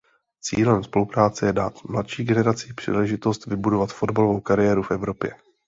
Cílem spolupráce je dát mladší generaci příležitost vybudovat fotbalovou kariéru v Evropě.